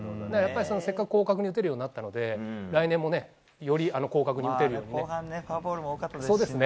せっかく広角に打てるようになったので来年もより広角に打てるようにね。